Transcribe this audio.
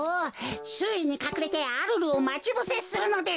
しゅういにかくれてアルルをまちぶせするのです。